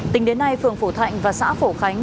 tính đến nay phường phổ thạnh và xã phổ khánh